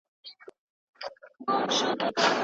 تر ماښامه پورې مي خپلي جامي ګنډلې وې.